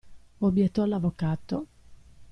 Obbiettò l'avvocato.